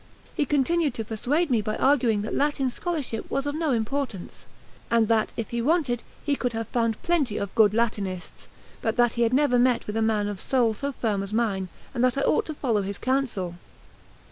He continued to persuade me by arguing that Latin scholarship was of no importance, and that, if he wanted, he could have found plenty of good Latinists; but that he had never met with a man of soul so firm as mine, and that I ought to follow his counsel.